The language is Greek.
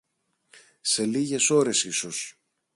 σε λίγες ώρες ίσως